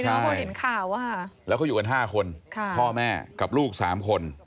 เห็นข่าวว่าแล้วเขาอยู่กันห้าคนพ่อแม่กับลูกสามคน